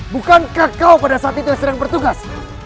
bukankah kau pada saat itu yang sedang bertugas